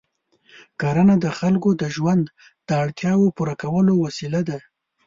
کرنه د خلکو د ژوند د اړتیاوو پوره کولو وسیله ده.